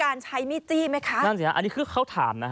อันนี้คือเขาถาม